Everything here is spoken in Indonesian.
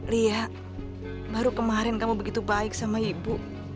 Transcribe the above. lia baru kemarin kamu begitu baik sama ibu